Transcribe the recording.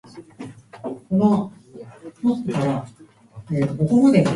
えんがわがすき。